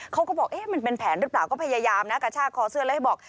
เขาก็บอกเอ๊ะมันเป็นแผนหรือเปล่าก็พยายามนะกระชากคอเสื้อแล้วให้บอก